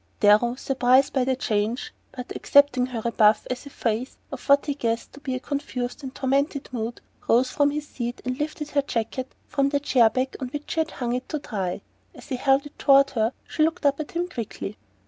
Darrow, surprised by the change, but accepting her rebuff as a phase of what he guessed to be a confused and tormented mood, rose from his seat and lifted her jacket from the chair back on which she had hung it to dry. As he held it toward her she looked up at him quickly.